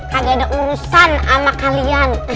kaget dok urusan anak kalian